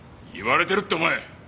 言われてるってお前。